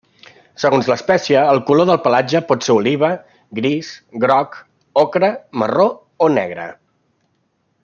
Segons l'espècie, el color del pelatge pot ser oliva, gris, groc ocre, marró o negre.